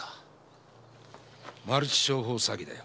マルチ商法詐欺だよ。